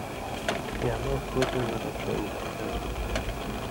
کھیں اما پُھوتیُوں نہ رڇھؤں انتہائی لازمی تُھو۔